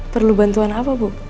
perlu bantuan apa bu